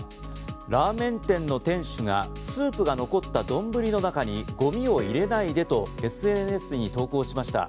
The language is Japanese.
ラーメン店の店主がスープが残った丼の中にゴミを入れないでとＳＮＳに投稿しました。